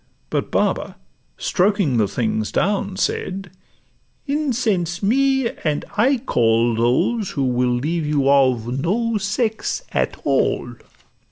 But Baba, stroking The things down, said, 'Incense me, and I call Those who will leave you of no sex at all.